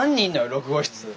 ６号室。